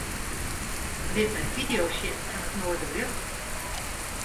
Lit my fideo's sjen fan it noarderljocht.